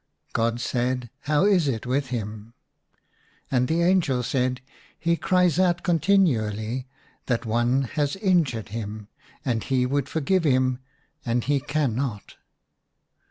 God said, " How is it with him ?" And the angel said, " He cries out continually that one has injured him; and he would forgive him and he cannot."